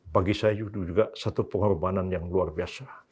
bagi saya itu juga satu pengorbanan yang luar biasa